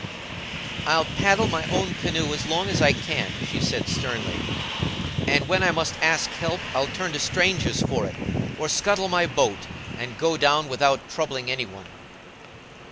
"I'll paddle my own canoe as long as I can," she said, sternly; "and when I must ask help I'll turn to strangers for it, or scuttle my boat, and go down without troubling any one."